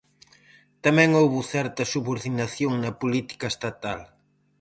Tamén houbo certa subordinación na política estatal.